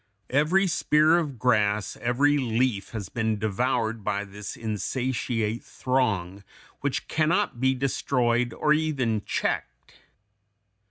Every spear of grass, every leaf, has been devoured by this insatiate throng, which can not be destroyed or even checked.